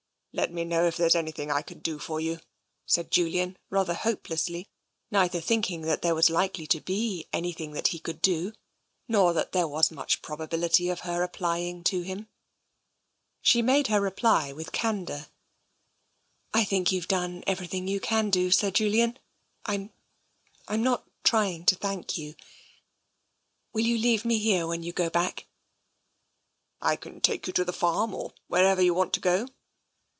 Let me know if there is anything that I can do for you," said Sir Julian rather hopelessly, neither think ing that there was likely to be anything that he could do, nor that there was much probability of her apply ing to him. She made reply with candour. " I think you've done everything that you can do, Sir Julian. I'm — Fm not trying to thank you. Will you leave me here, when you go back? "" I can take you to the farm, or wherever you want to go."